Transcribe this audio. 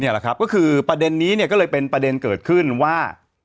แหละครับก็คือประเด็นนี้เนี่ยก็เลยเป็นประเด็นเกิดขึ้นว่า